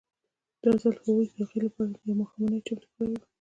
دا ځل هغوی د هغه لپاره یوه ماښامنۍ چمتو کړې وه